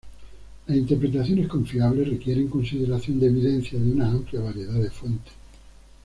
Las interpretaciones confiables requieren consideración de evidencia de una amplia variedad de fuentes.